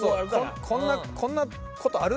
こんなことある？